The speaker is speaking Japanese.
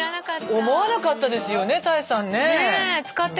思わなかったですよね多江さんね。